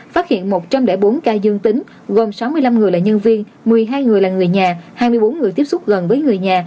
phát hiện một trăm linh bốn ca dương tính gồm sáu mươi năm người là nhân viên một mươi hai người là người nhà hai mươi bốn người tiếp xúc gần với người nhà